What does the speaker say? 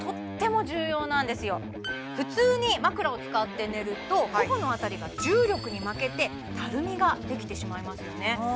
はいうんこいてんじゃねえ皆さん普通に枕を使って寝ると頬の辺りが重力に負けてたるみができてしまいますよね